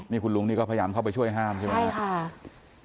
นี่คุณลุงนี่ก็พยายามเข้าไปช่วยห้ามใช่ไหมครับ